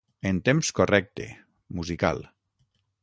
En temps correcte (musical).